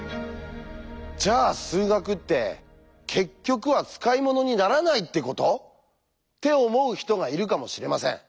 「じゃあ数学って結局は使い物にならないってこと？」って思う人がいるかもしれません。